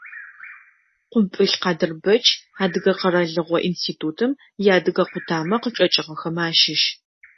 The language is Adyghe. Къумпӏыл Къадырбэч, Адыгэ къэралыгъо институтым иадыгэ къутамэ къычӏэкӏыгъэхэмэ ащыщ.